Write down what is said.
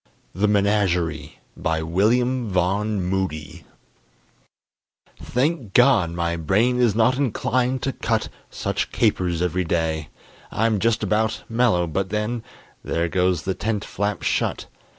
THE MENAGERIE BY WILLIAM VAUGHN MOODY Thank God my brain is not inclined to cut Such capers every day! I'm just about Mellow, but then There goes the tent flap shut.